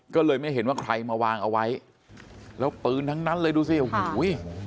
ก็เลยไม่เห็นว่าใครมาวางเอาไว้แล้วปืนทั้งนั้นเลยดูสิโอ้โห